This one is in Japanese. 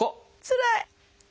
つらい！